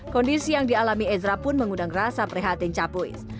kondisi yang dialami ezra pun mengundang rasa prihatin capuis